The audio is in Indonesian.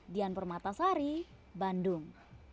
dian permatasari bandung